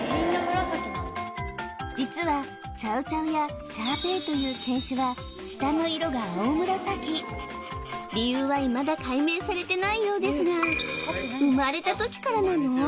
実はチャウ・チャウやシャーペイという犬種は舌の色が青紫理由はいまだ解明されてないようですが生まれた時からなの？